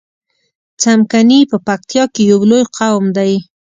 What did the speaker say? څمکني په پکتیا کی یو لوی قوم دی